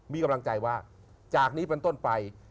มีกำลังใจว่าจากนี้เป็นต้นไป